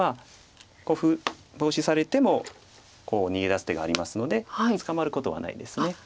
ここボウシされても逃げ出す手がありますので捕まることはないです。